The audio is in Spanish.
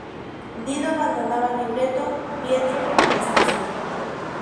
Dido abandonada; libreto: Pietro Metastasio.